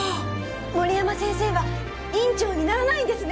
森山先生は院長にならないんですね？